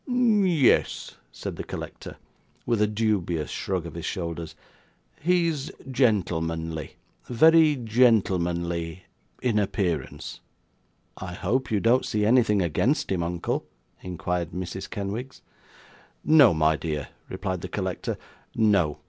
'Yes,' said the collector, with a dubious shrug of his shoulders, 'He is gentlemanly, very gentlemanly in appearance.' 'I hope you don't see anything against him, uncle?' inquired Mrs Kenwigs. 'No, my dear,' replied the collector, 'no.